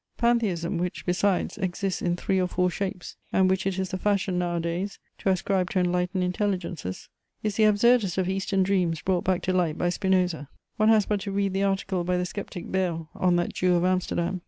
Pantheism, which, besides, exists in three or four shapes, and which it is the fashion nowadays to ascribe to enlightened intelligences, is the absurdest of Eastern dreams brought back to light by Spinoza. One has but to read the article by the sceptic Bayle on that Jew of Amsterdam.